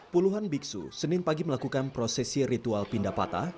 puluhan biksu senin pagi melakukan prosesi ritual pindah patah